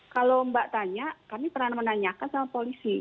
kalau mbak tanya kami pernah menanyakan sama polisi